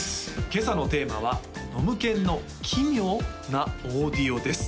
今朝のテーマは「ノムケンの奇妙？なオーディオ」です